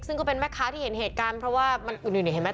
ซึ่งก็เป็นแม่ค้าที่เห็นเหตุการณ์เพราะว่ามันอยู่ในเหตุการณ์